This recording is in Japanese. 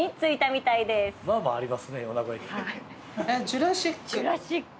えっジュラシック？